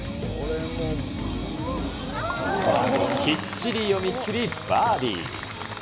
きっちり読み切り、バーディー。